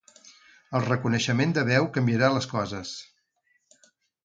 El reconeixement de veu canviarà les coses.